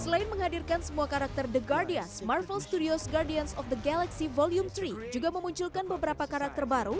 selain menghadirkan semua karakter the guardians marvel studios ⁇ guardians of the galaxy volume tiga juga memunculkan beberapa karakter baru